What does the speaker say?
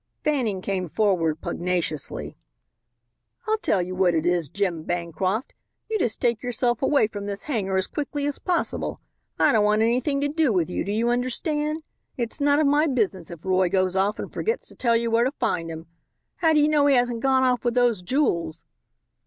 Fanning came forward pugnaciously. "I'll tell you what it is, Jim Bancroft, you just take yourself away from this hangar as quickly as possible. I don't want anything to do with you, do you understand? It's none of my business if Roy goes off and forgets to tell you where to find him. How do you know he hasn't gone off with those jewels?"